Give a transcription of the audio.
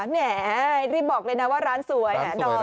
เรื่องบริบบอกเลยนะว่าร้านสวย